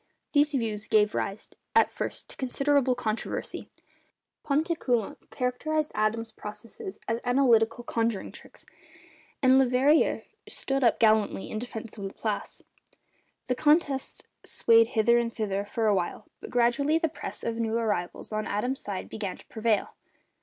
These views gave rise at first to considerable controversy. Pontécoulant characterised Adams's processes as 'analytical conjuring tricks,' and Leverrier stood up gallantly in defence of Laplace. The contest swayed hither and thither for a while, but gradually the press of new arrivals on Adams's side began to prevail.